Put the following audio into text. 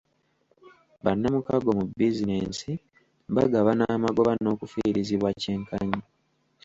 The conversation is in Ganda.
Bannamukago mu bizinensi bagabana amagoba n'okufiirizibwa kyenkanyi.